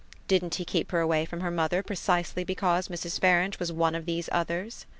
Didn't he keep her away from her mother precisely because Mrs. Farange was one of these others?